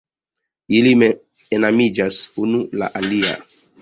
Ili enamiĝas unu al alia.